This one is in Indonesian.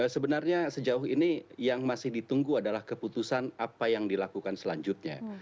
sebenarnya sejauh ini yang masih ditunggu adalah keputusan apa yang dilakukan selanjutnya